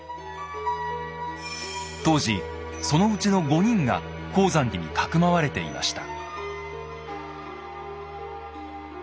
当時そのうちの５人が功山寺にかくまわれていました。